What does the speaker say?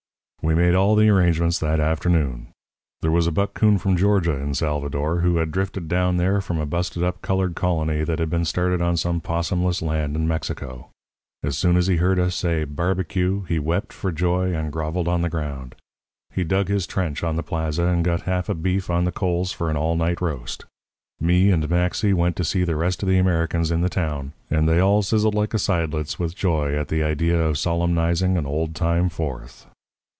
"We made all the arrangements that afternoon. There was a buck coon from Georgia in Salvador who had drifted down there from a busted up coloured colony that had been started on some possumless land in Mexico. As soon as he heard us say 'barbecue' he wept for joy and groveled on the ground. He dug his trench on the plaza, and got half a beef on the coals for an all night roast. Me and Maxy went to see the rest of the Americans in the town and they all sizzled like a seidlitz with joy at the idea of solemnizing an old time Fourth.